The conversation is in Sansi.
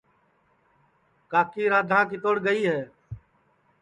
کاکی رادھاں کیتوڑ گئی ہے